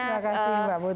terima kasih mbak butuh